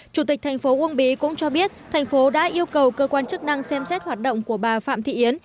chủ tịch tp ung bí cũng cho biết thành phố đã yêu cầu cơ quan chức năng xem xét hoạt động của bà phạm thị yến